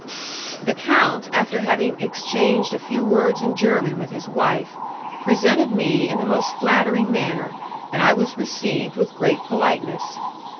The count, after having exchanged a few words in German with his wife, presented me in the most flattering manner, and I was received with great politeness.